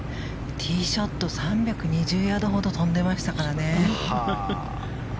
ティーショット３２０ヤードほど飛んでましたからね。